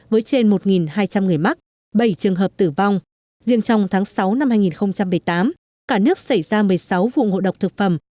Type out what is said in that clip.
với trên một hai trăm linh người mắc bảy trường hợp tử vong riêng trong tháng sáu năm hai nghìn một mươi tám cả nước xảy ra một mươi sáu vụ ngộ độc thực phẩm